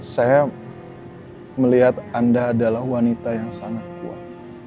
saya melihat anda adalah wanita yang sangat kuat